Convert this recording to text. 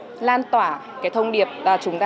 với mọi người mục tiêu là lan tỏa thông điệp là chúng ta